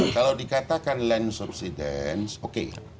kalau dikatakan land subsidence oke